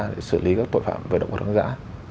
để xử lý các tội phạm về động vật hoang dã